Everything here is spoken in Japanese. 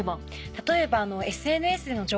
例えば。